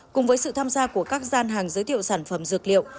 cùng với sự tham gia của các gian hàng giới thiệu sản phẩm dược liệu